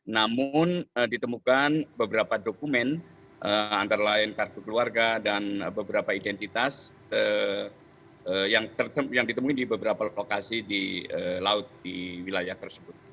namun ditemukan beberapa dokumen antara lain kartu keluarga dan beberapa identitas yang ditemui di beberapa lokasi di laut di wilayah tersebut